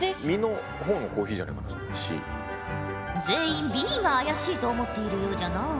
全員Ｂが怪しいと思っているようじゃな。